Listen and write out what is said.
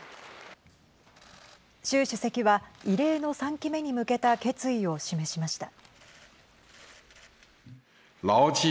習主席は異例の３期目に向けた決意を示しました。